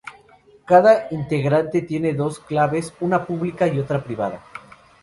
Cada integrante tiene dos claves, una pública y otra privada.